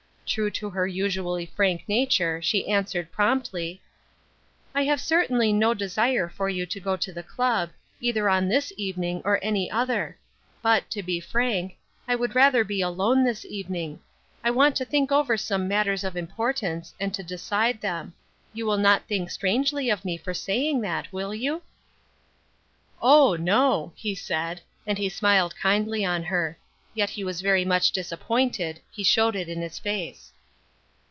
True to her usually frank nature, she answered, promptly: "I have certainly no desire for you to go to the club, either on this evening or any other; but, to be frank, I would rather be alone this evening; I want to think over some matters of importance, and to decide them. You will not think strangely of me for saying that, will you?" "Oh, no," he said, and he smiled kindly on her; yet he was very much disappointed; he showed it in his face.